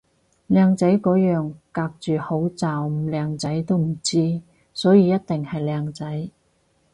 靚仔個樣隔住口罩唔靚仔都唔知，所以一定係靚仔